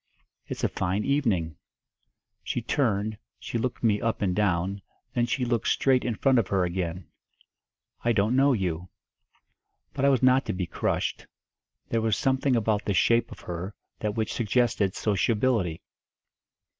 "It's a fine evening." She turned, she looked me up and down, then she looked straight in front of her again. "I don't know you." But I was not to be crushed; there was something about the shape of her that which suggested sociability.